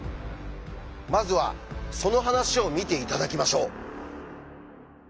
まずはその話を見て頂きましょう。